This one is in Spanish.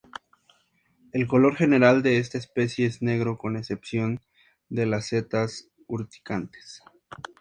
El color general de esta especie es negro con excepción de las setas urticantes.